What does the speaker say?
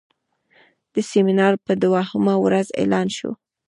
د سیمینار په دوهمه ورځ اعلان شو.